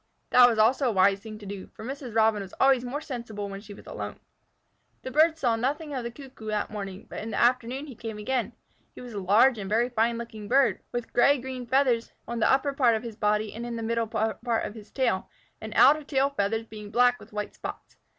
That also was a wise thing to do, for Mrs. Robin was always more sensible when she was alone. The birds saw nothing more of the Cuckoo that morning, but in the afternoon he came again. He was a large and very fine looking bird, with green gray feathers on the upper part of his body and in the middle of his tail, the outer tail feathers being black with white spots.